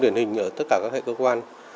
điển hình ở tất cả các hệ cơ quan